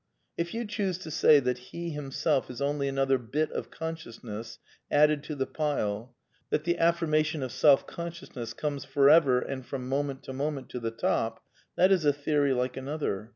If you choose to say that he himself is only another bit of consciousness added to the pile — that the afiirmation of self consciousness comes forever and from moment to mo ment to the top — that is a theory like another.